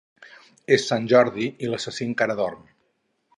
És Sant Jordi i l'assassí encara dorm.